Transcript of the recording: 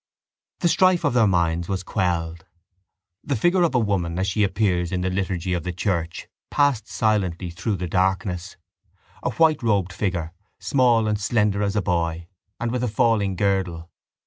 The strife of their minds was quelled. The figure of a woman as she appears in the liturgy of the church passed silently through the darkness: a white robed figure, small and slender as a boy, and with a falling girdle.